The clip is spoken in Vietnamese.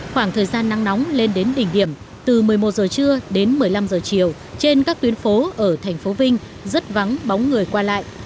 khoảng thời gian nắng nóng lên đến đỉnh điểm từ một mươi một giờ trưa đến một mươi năm h chiều trên các tuyến phố ở thành phố vinh rất vắng bóng người qua lại